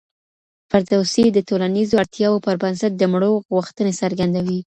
فردوسي د ټولنیزو اړتیاوو پر بنسټ د مړو غوښتنې څرګندوي.